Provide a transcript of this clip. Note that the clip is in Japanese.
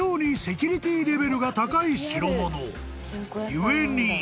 ［故に］